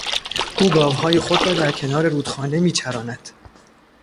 او گاوهای خود را در کنار رودخانه میچراند.